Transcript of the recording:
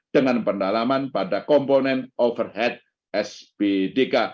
dengan pendalaman pada komponen overhead sbdk